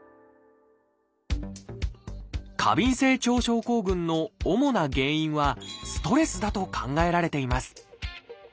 過敏性腸症候群の主な原因はストレスだと考えられています。